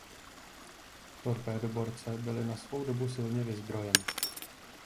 Torpédoborce byly na svou dobu silně vyzbrojeny.